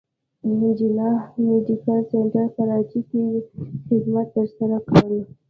جناح ميډيکل سنټر کراچې کښې خدمات تر سره کړل